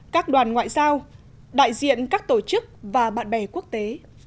các đoàn ngoại giao đại diện các tổ chức và bạn bè quốc tế